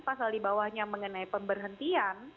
pasal di bawahnya mengenai pemberhentian